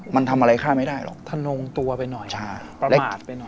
มันทำอะไรค่าไม่ได้หรอกทนงตัวไปหน่อยใช่ประกาศไปหน่อย